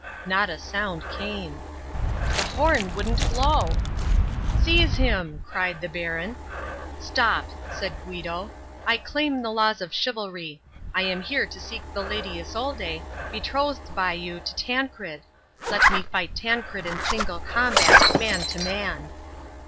Not a sound came. The horn wouldn't blow! "Seize him!" cried the Baron. "Stop," said Guido, "I claim the laws of chivalry. I am here to seek the Lady Isolde, betrothed by you to Tancred. Let me fight Tancred in single combat, man to man."